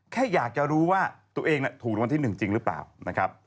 แค่อยากจะรู้ว่าตัวเองถูกรางวัลที่๑จริงหรือเปล่านะครับ